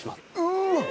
うわっ！